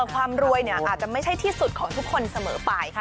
ความรวยอาจจะไม่ใช่ที่สุดของทุกคนเสมอไป